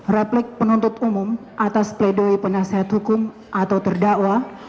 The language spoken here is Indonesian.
replik penuntut umum atas pledoi penasehat hukum atau terdakwa